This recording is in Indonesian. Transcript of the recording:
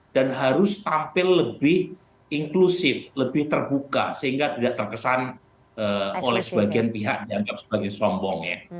dan harus tampil lebih inklusif lebih terbuka sehingga tidak terkesan oleh sebagian pihak yang sebagai sombong ya